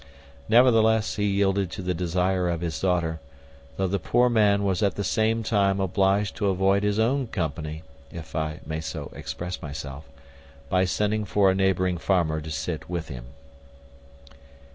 Nevertheless he yielded to the desire of his daughter, though the poor man was at the same time obliged to avoid his own company (if I may so express myself), by sending for a neighbouring farmer to sit with him.